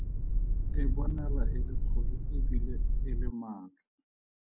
E bonala e le kgolo e bile e le maatla.